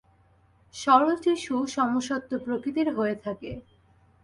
সরল টিস্যু সমসত্ত্ব প্রকৃতির হয়ে থাকে।